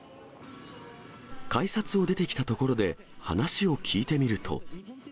改札を出てきたところで話を聞いてみると。